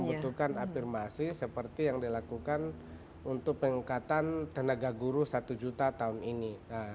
membutuhkan afirmasi seperti yang dilakukan untuk pengangkatan tenaga guru satu juta tahun ini